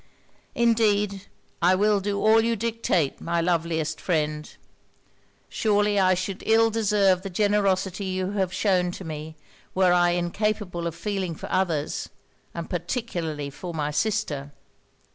'Indeed I will do all you dictate, my loveliest friend! Surely I should ill deserve the generosity you have shewn to me, were I incapable of feeling for others, and particularly for my sister.